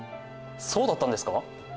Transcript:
そうだったんですか？